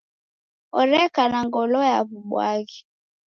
Oreka na ngolo ya w'ubwaghi.